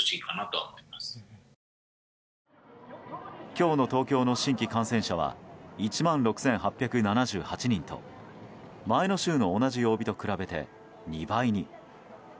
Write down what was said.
今日の東京の新規感染者は１万６８７８人と前の週の同じ曜日と比べて２倍に。